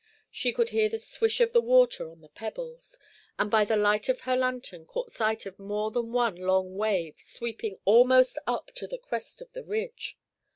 She could hear the swish of the water on the pebbles, and, by the light of her lantern, caught sight of more than one long wave sweeping almost up to the crest of the ridge.